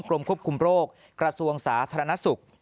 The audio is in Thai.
กรมควบคุมโรคกระทรวงสาธารณสุข